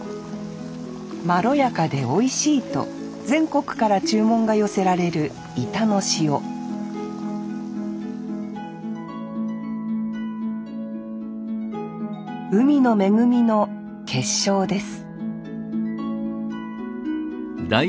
まろやかでおいしいと全国から注文が寄せられる井田の塩海の恵みの結晶です